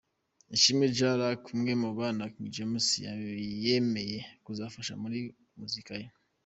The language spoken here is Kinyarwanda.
Ishimwe Jean Luc; umwe mu bana King James yemeye kuzafasha muri muzika ye.